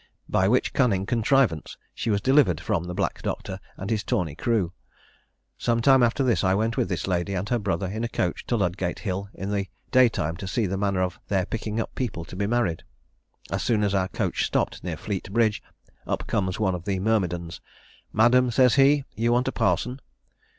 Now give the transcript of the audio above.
By which cunning contrivance she was delivered from the black Doctor and his tawny crew. Some time after this I went with this lady and her brother in a coach to Ludgate hill in the day time, to see the manner of their picking up people to be married. As soon as our coach stopped near Fleet Bridge, up comes one of the myrmidons. 'Madam,' says he, 'you want a parson?'